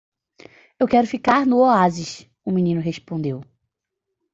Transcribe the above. "Eu quero ficar no oásis?" o menino respondeu.